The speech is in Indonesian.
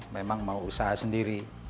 memang mau usaha sendiri